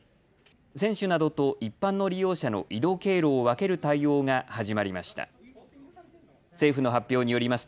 選手などと一般の利用者の移動経路を分ける対応が始まりました。